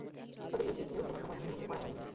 তবে এই ক্ষেত্রেও কোনো সময়সূচি উল্লেখ করা হয়নি।